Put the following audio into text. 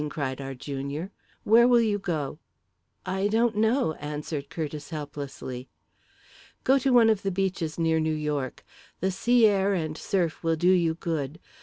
cried our junior. "Where will you go?" "I don't know," answered Curtiss helplessly. "Go to one of the beaches near New York. The sea air and surf will do you good.